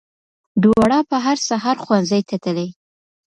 دواړه به هر سهار ښوونځي ته تلې